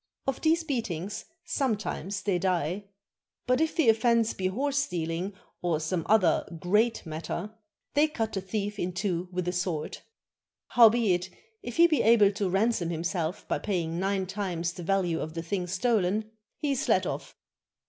Of these beatings sometimes they die. But if the offense be horse steaUng or some other great matter, 83 CHINA they cut the thief in two with a sword. Howbeit, if he be able to ransom himself by paying nine times the value of the thing stolen, he is let off.